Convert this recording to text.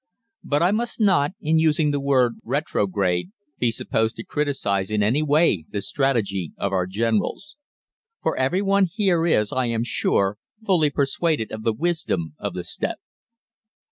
But I must not, in using the word 'retrograde,' be supposed to criticise in any way the strategy of our generals. For every one here is, I am sure, fully persuaded of the wisdom of the step.